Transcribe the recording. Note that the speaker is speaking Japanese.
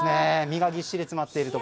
実がぎっしり詰まっていると。